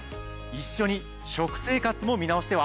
一緒に食生活も見直しては？